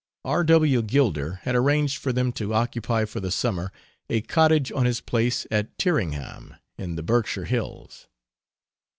R. W. Gilder had arranged for them to occupy, for the summer, a cottage on his place at Tyringham, in the Berkshire Hills.